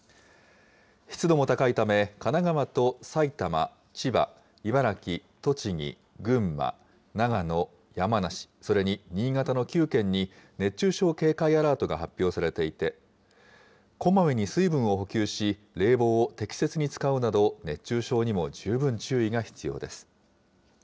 湿度も高いため、神奈川と埼玉、千葉、茨城、栃木、群馬、長野、山梨、それに新潟の９県に、熱中症警戒アラートが発表されていて、こまめに水分を補給し、冷房を適切に使うなど、熱中症にも十分注意が必要です。